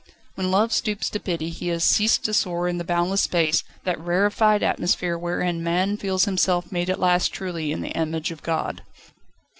When Love stoops to pity, he has ceased to soar in the boundless space, that rarefied atmosphere wherein man feels himself made at last truly in the image of God.